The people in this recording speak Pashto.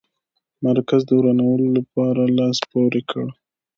مرکز د ورانولو لپاره لاس پوري کړ.